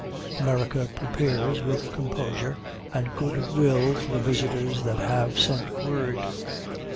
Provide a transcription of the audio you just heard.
America prepares with composure and good will for the visitors that have sent word.